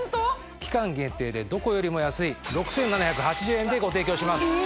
期間限定でどこよりも安い６７８０円でご提供します。え！